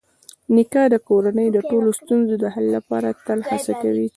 نیکه د کورنۍ د ټولو ستونزو د حل لپاره تل هڅه کوي.